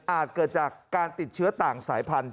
เกิดจากการติดเชื้อต่างสายพันธุ